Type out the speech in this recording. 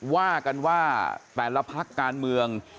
ว่าการว่า๘๐และพพรรคการเมือง